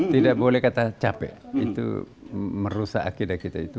tidak boleh kata capek itu merusak akidah kita itu